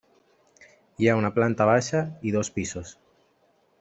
Hi ha una planta baixa i dos pisos.